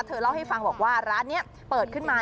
เธอเล่าให้ฟังบอกว่าร้านนี้เปิดขึ้นมา